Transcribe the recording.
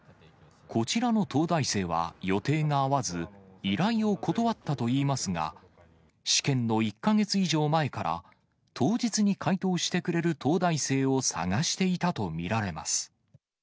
こちらの東大生は予定が合わず、依頼を断ったといいますが、試験の１か月以上前から、当日に解答してくれる東大生を探していたと見られます。